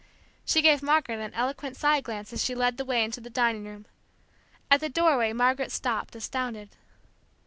She gave Margaret an eloquent side glance as she led the way into the dining room. At the doorway Margaret stopped, astounded.